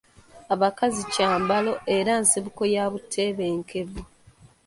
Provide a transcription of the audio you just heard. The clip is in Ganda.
Abakazi kyambalo era nsibuko ya butebenkevu.